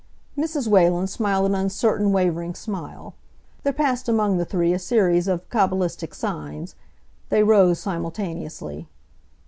Mrs. Whalen smiled an uncertain, wavering smile. There passed among the three a series of cabalistic signs. They rose simultaneously.